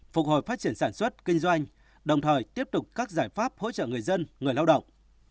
phục hồi phát triển sản xuất kinh doanh đồng thời tiếp tục các giải pháp hỗ trợ người dân người lao động